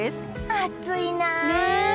暑いな。